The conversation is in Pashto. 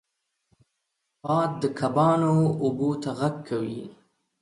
باد د کبانو اوبو ته غږ کوي